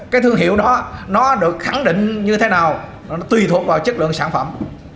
cái thương hiệu đó nó được khẳng định như thế nào nó tùy thuộc vào chất lượng sản phẩm